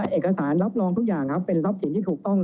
แต่ถ้าดูประสบการณ์คือเป็นถึงผู้บังคับปัญชาในสถานีอย่างนี้ค่ะ